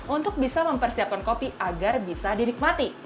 untuk bisa mempersiapkan kopi agar bisa dinikmati